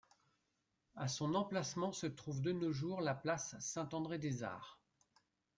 À son emplacement se trouve de nos jours la place Saint-André-des-Arts.